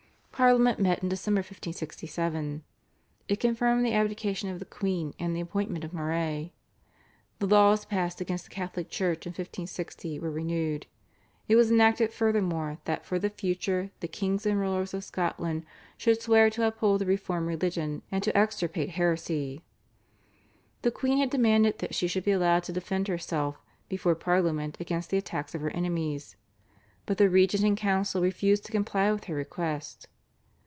Parliament met in December 1567. It confirmed the abdication of the queen and the appointment of Moray. The laws passed against the Catholic Church in 1560 were renewed. It was enacted furthermore that for the future the kings and rulers of Scotland should swear to uphold the reformed religion and to extirpate heresy. The queen had demanded that she should be allowed to defend herself before Parliament against the attacks of her enemies, but the regent and council refused to comply with her request.